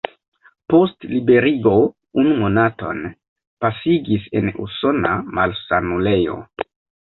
Post liberigo unu monaton pasigis en usona malsanulejo.